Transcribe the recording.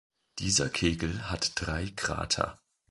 Dieser Kegel hat drei Krater.